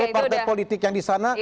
kok partai politik yang disana